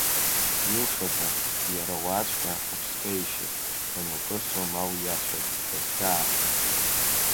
Илшозар, иара уаҵәҟьа уԥсхеишьып, дануԥырҵуа ма уиацәҳап, даахьаҳәуа.